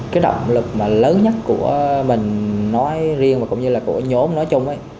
cái động lực mà lớn nhất của mình nói riêng và cũng như là của nhóm nói chung